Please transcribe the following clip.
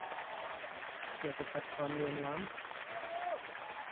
เพื่อขจัดความเหลื่อมล้ำ